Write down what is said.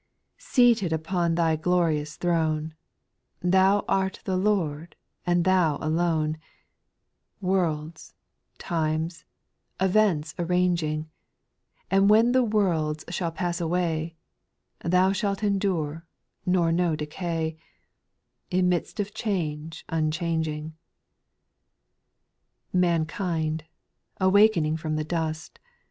2. Seated upon Thy glorious throne, Thou art the Lord, and Thou alone, Worlds, times, events arranging; And when the worlds shall pass away, Thou shtilt endure, nor know decay, In midst of change unchanging. 3. Mankind, awaking from the dust.